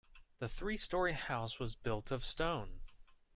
The three story house was built of stone.